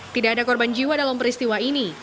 tidak ada korban jiwa dalam peristiwa ini